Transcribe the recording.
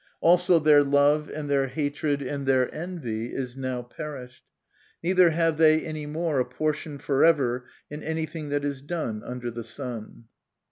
Also their love, and their hatred, and their envy, is now perished ; neither have they any more a por tion forever in anything that is done under the sun."